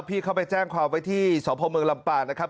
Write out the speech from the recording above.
พี่เขาไปแจ้งความไว้ที่สพเมืองลำปางนะครับ